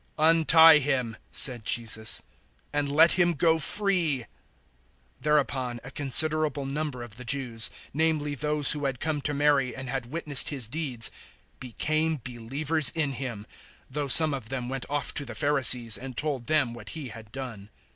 "Untie him," said Jesus, "and let him go free." 011:045 Thereupon a considerable number of the Jews namely those who had come to Mary and had witnessed His deeds became believers in Him; 011:046 though some of them went off to the Pharisees and told them what He had done.